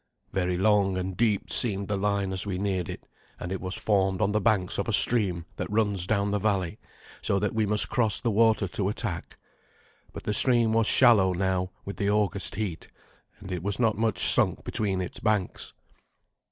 Very long and deep seemed the line as we neared it, and it was formed on the banks of a stream that runs down the valley, so that we must cross the water to attack. But the stream was shallow now with the August heat, and it was not much sunk between its banks.